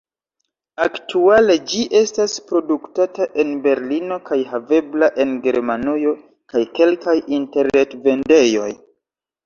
Aktuale ĝi estas produktata en Berlino kaj havebla en Germanujo kaj kelkaj interret-vendejoj.